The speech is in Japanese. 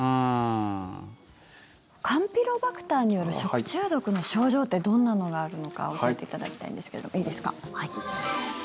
カンピロバクターによる食中毒の症状ってどんなのがあるのか教えていただきたいんですけどいいですか。